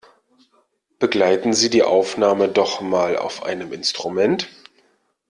Begleiten Sie die Aufnahme doch mal auf einem Instrument!